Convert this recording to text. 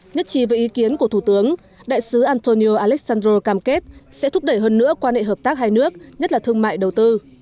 nhất trí với ý kiến của thủ tướng đại sứ antonio alessandro cam kết sẽ thúc đẩy hơn nữa quan hệ hợp tác hai nước nhất là thương mại đầu tư